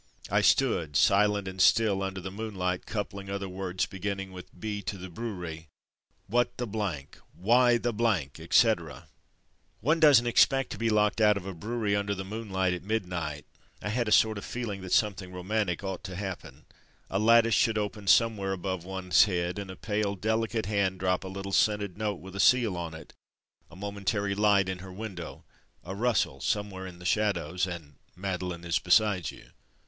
I stood, silent and still, under the moonlight, coupling other words begin ning with B to the brewery. ''What the ," ''Why the ,"etc. One doesn't expect to be locked out of a brewery under the moonlight at midnight; I had a sort of feeling that something roman tic ought to happen. A lattice should open somewhere above one's head, and a pale delicate hand drop a little scented note with a seal on it; a momentary light in her window, a rustle somewhere in the shadows, and Madeline is beside you.